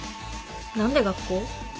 何で学校？